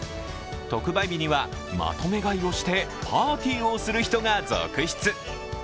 特売日にはまとめ買いをしてパーティーをする人が続出。